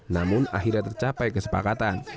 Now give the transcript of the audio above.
namun akhirnya tercapai kesepakatan